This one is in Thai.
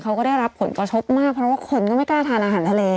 เขาก็ได้รับผลกระทบมากเพราะว่าคนก็ไม่กล้าทานอาหารทะเล